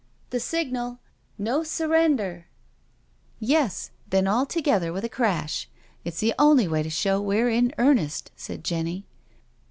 •' The signal 'No sur render.' *•" Yes—then all together with a crash. It's the only way to show we're in earnest," said Jenny.